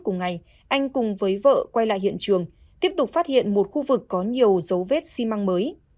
cùng ngày anh cùng với vợ quay lại hiện trường tiếp tục phát hiện một khu vực có nhiều dấu vết xi măng mới